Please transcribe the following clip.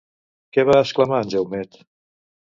Què va exclamar en Jaumet?